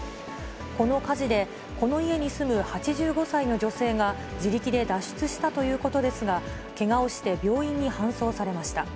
この火事で、この家に住む８５歳の女性が自力で脱出したということですが、けがをして病院に搬送されました。